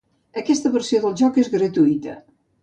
Aquesta versió del joc és gratuïta.